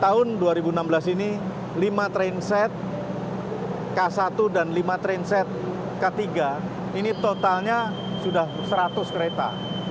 tahun dua ribu enam belas ini lima train set k satu dan lima trainset k tiga ini totalnya sudah seratus kereta